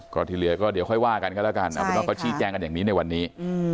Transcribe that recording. ก็ที่เหลือก็เดี๋ยวค่อยว่ากันกันแล้วกันเอาเป็นว่าเขาชี้แจงกันอย่างนี้ในวันนี้